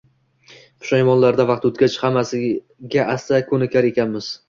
Pushaymonlarda vaqt oʻtgach hammasiga asta koʻnikar ekanmiz